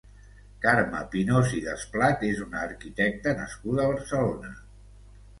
Carme Pinós i Desplat és una arquitecta nascuda a Barcelona.